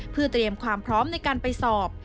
เพื่อเตรียมความพร้อมในการไปสอบ